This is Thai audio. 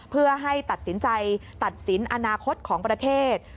เพื่อให้ตัดสินใจตัดสินอนาคตของประเทศ